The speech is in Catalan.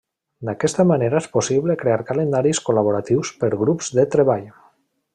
D'aquesta manera és possible crear calendaris col·laboratius per grups de treball.